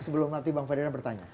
sebelum nanti bang ferdinand bertanya